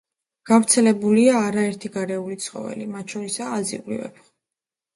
გავრცელებულია არაერთი გარეული ცხოველი, მათ შორისაა აზიური ვეფხვი.